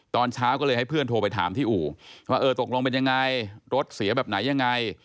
ตอนเช้าก็เลยให้เพื่อนโทรไปถามที่อู่ว่าเออตกลงเป็นยังไงรถเสียแบบไหนยังไง